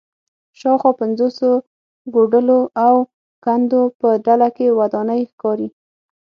شاوخوا پنځوسو کوډلو او کندو په ډله کې ودانۍ ښکاري